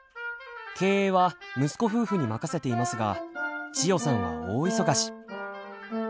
経営は息子夫婦に任せていますが千代さんは大忙し。